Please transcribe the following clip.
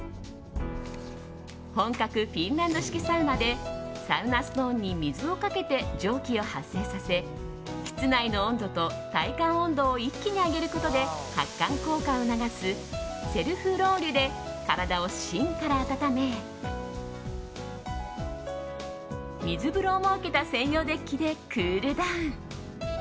本格フィンランド式サウナでサウナストーンに水をかけて蒸気を発生させ室内の温度と体感温度を一気に上げることで発汗効果を促すセルフロウリュで体を芯から温め水風呂を設けた専用デッキでクールダウン。